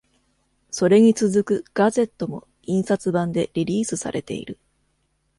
それに続く「ガゼット」も印刷版でリリースされている。